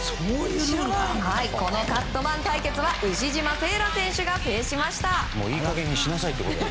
このカットマン対決は牛島選手が制しました。